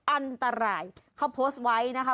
อันตรายเขาโพสต์ไว้นะคะ